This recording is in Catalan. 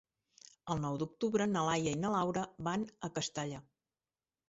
El nou d'octubre na Laia i na Laura van a Castalla.